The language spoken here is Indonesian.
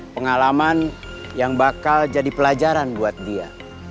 pengalaman yang bakal jadi pelajaran buat dia